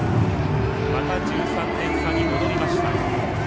また１３点差に戻りました。